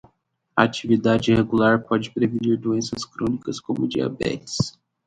A atividade regular pode prevenir doenças crônicas, como diabetes.